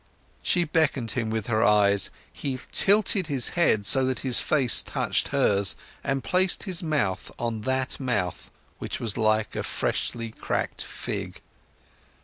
She beckoned him with her eyes, he tilted his head so that his face touched hers and placed his mouth on that mouth which was like a freshly cracked fig.